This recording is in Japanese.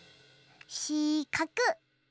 しかく。